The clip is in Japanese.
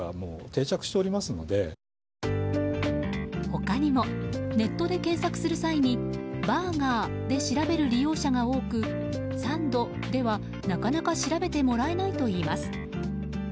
他にも、ネットで検索する際にバーガーで調べる利用者が多くサンドでは、なかなか調べてもらえないといいます。